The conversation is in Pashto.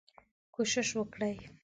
کوشش وکړئ